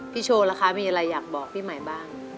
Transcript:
โชว์ล่ะคะมีอะไรอยากบอกพี่ใหม่บ้าง